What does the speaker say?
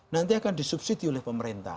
nanti akan disubsidi oleh pemerintah